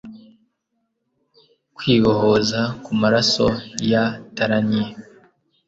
Kwibohoza kumaraso ya Tyarannyi